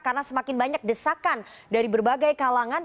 karena semakin banyak desakan dari berbagai kalangan